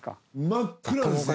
真っ暗ですね。